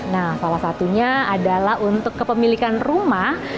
nah salah satunya adalah untuk kepemilikan rumah